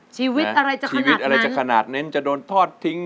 ชีวิตอะไรจะคะชีวิตอะไรจะขนาดนั้นจะโดนทอดทิ้ง